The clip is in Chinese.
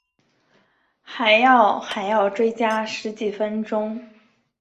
还要还要追加十几分钟